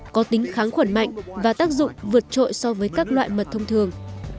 có tính kháng khuẩn mạnh và tác dụng vượt trội so với các loại mật thông thường